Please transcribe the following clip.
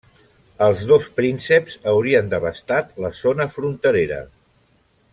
Els dos prínceps haurien devastat la zona fronterera.